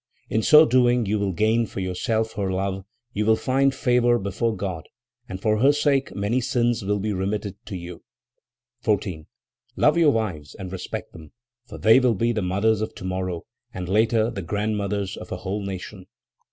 In so doing you will gain for yourself her love; you will find favor before God, and for her sake many sins will be remitted to you. 14. "Love your wives and respect them, for they will be the mothers of tomorrow and later the grandmothers of a whole nation.